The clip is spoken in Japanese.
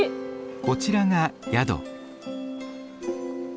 こちらが宿。